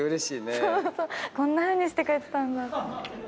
こんなふうにしてくれてたんだ。